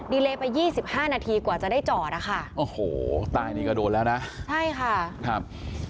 ดีเลไปยี่สิบห้านาทีกว่าจะได้จอดอะค่ะโอ้โหใต้นี่ก็โดนแล้วนะใช่ค่ะครับ